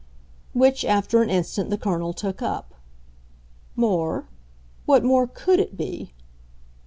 Which, after an instant, the Colonel took up. "'More'? What more COULD it be?"